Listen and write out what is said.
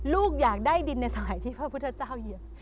ลูกอยากได้ดินในสมัยที่พระพุทธเจ้าเหยียบ